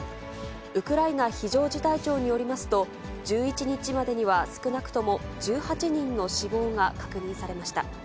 ウクライナ非常事態庁によりますと、１１日までには少なくとも１８人の死亡が確認されました。